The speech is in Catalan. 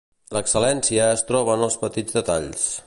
L'excel·lència es troba en els petits detalls.